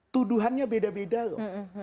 tuduhannya beda beda loh